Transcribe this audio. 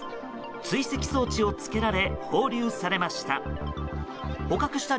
追跡装置を付けられ放流されました。